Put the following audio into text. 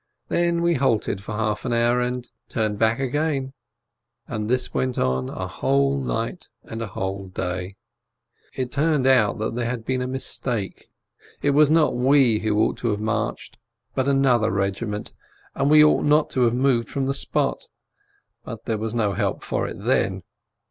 Then we halted for half an hour, and turned back again. And this went on a whole night and a whole day. Then it turned out that there had been a mistake: it was not we who ought to have marched, but another regiment, and we ought not to have moved from the spot. But there was no help for it then.